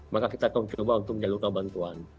maka kita akan mencoba untuk menjalurkan bantuan